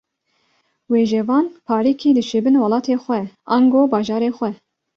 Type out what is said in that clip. Wêjevan, parîkî dişibin welatê xwe ango bajarê xwe